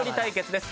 です。